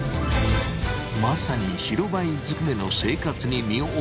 まさに白バイずくめの生活に身を置く清水。